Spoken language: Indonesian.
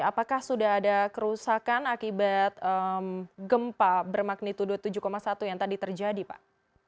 apakah sudah ada kerusakan akibat gempa bermagnitudo tujuh satu yang tadi terjadi pak